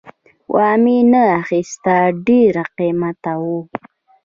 وامې نه خیسته ډېر قیمته وو